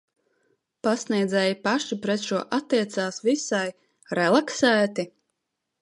Pasniedzēji paši pret šo attiecās visai... relaksēti?